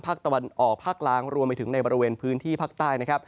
ภาคตะวันออกภาคล้างรวมไปถึงในบริเวณพื้นที่ภาคใต้นะครับ